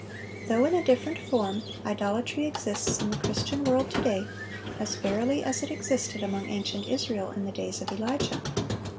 Though in a different form, idolatry exists in the Christian world to day as verily as it existed among ancient Israel in the days of Elijah.